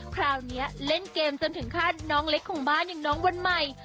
คราวนี้เล่นเกมจนถึงขั้นน้องเล็กของบ้านอย่างน้องวันใหม่